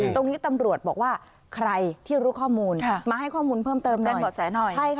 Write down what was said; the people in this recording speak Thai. ตรงนี้ตำรวจบอกว่าใครที่รู้ข้อมูลมาให้ข้อมูลเพิ่มเติมแจ้งบ่อแสหน่อย